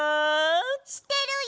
してるよ！